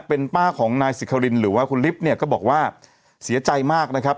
เป็นป้าของนายสิครินหรือว่าคุณลิฟต์เนี่ยก็บอกว่าเสียใจมากนะครับ